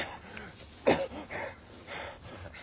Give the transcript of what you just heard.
すいません。